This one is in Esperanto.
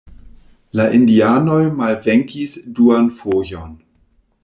La indianoj malvenkis duan fojon.